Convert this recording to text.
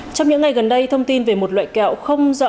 trong những ngày gần đây thông tin về một loại kẹo không rõ